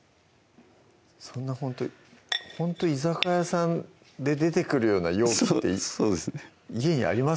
そんなほんと居酒屋さんで出てくるような容器って家にあります？